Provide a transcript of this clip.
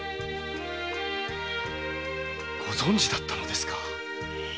ご存じだったのですか？